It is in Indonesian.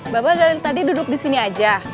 bapak dari tadi duduk disini aja